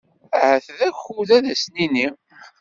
Ahat d akud ad as-nini.